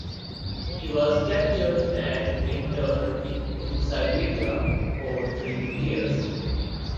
He was captured and interned in Siberia for three years.